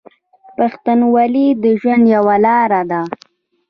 پښتونولي د ژوند یوه لار ده.